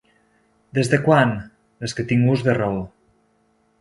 Des de quan? Des que tinc ús de raó.